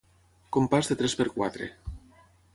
Compàs de tres per quatre.